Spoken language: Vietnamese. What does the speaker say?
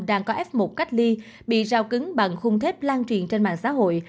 đang có f một cách ly bị rào cứng bằng khung thép lan truyền trên mạng xã hội